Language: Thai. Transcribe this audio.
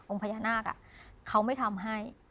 องค์พญานาคอะเขาไม่ทำให้